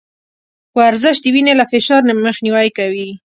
ورزش د وينې له فشار مخنيوی کوي.